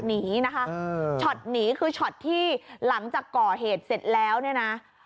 หนีนะคะช็อตหนีคือช็อตที่หลังจากก่อเหตุเสร็จแล้วเนี่ยนะ